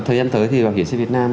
thời gian tới thì bảo hiểm y tế việt nam